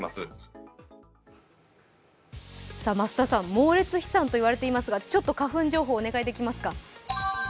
猛烈飛散といわれていますが、花粉情報をお願いできますか。